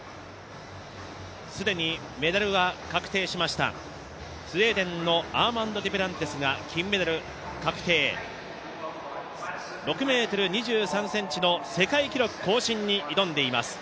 既にメダルは確定しました、スウェーデンのアーマンド・デュプランティスが金メダル確定、６ｍ２３ｃｍの世界記録更新に挑んでいます。